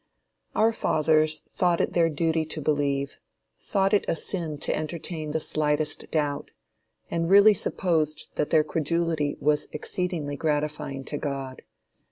Our fathers thought it their duty to believe, thought it a sin to entertain the slightest doubt, and really supposed that their credulity was exceedingly gratifying to God.